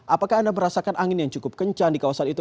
apakah anda merasakan angin yang cukup kencang di kawasan itu